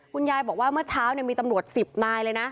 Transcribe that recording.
คุณยายบอกว่าเมื่อเช้ามีตำรวจ๑๐นายเลยนะ